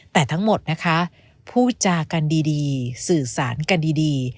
แต่ทั้งหมดนะคะพูดจากันดีสื่อสารกันดี